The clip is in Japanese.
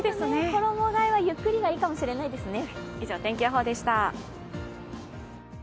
衣がえはゆっくりがいいかもしれないですね。